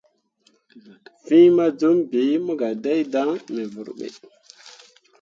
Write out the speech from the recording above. Fîi maduutǝbiijaŋ mo gah dai dan me vurɓe.